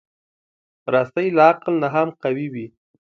رسۍ له عقل نه هم قوي وي.